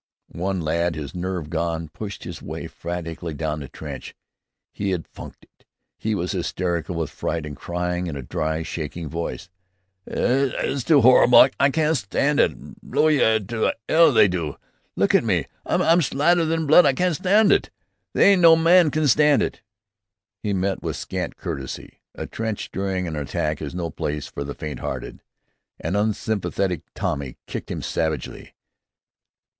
One lad, his nerve gone, pushed his way frantically down the trench. He had "funked it." He was hysterical with fright and crying in a dry, shaking voice, "It's too 'orrible! I can't stand it! Blow you to 'ell they do! Look at me! I'm slathered in blood! I can't stand it! They ain't no man can stand it!" He met with scant courtesy. A trench during an attack is no place for the faint hearted. An unsympathetic Tommy kicked him savagely.